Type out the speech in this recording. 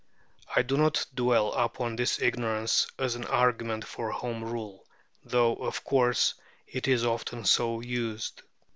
I do not dwell upon this ignorance as an argument for Home Rule, though, of course, it is often so used.